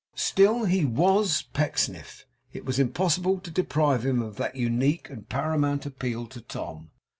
Still he WAS Pecksniff; it was impossible to deprive him of that unique and paramount appeal to Tom.